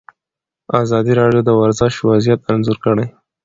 ازادي راډیو د ورزش وضعیت انځور کړی.